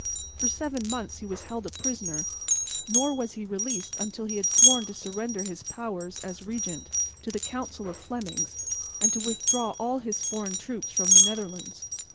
For seven months he was held a prisoner; nor was he released until he had sworn to surrender his powers, as regent, to a council of Flemings and to withdraw all his foreign troops from the Netherlands.